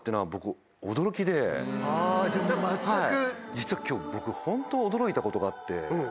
実は今日僕ホント驚いたことがあって。